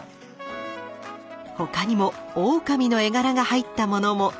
他にもオオカミの絵柄が入ったものも。